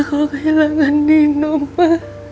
kalau kehilangan nino ma